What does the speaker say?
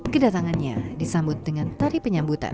kedatangannya disambut dengan tari penyambutan